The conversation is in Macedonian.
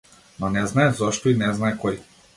Но не знае зошто, и не знае кој.